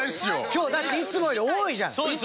今日だっていつもより多いじゃない。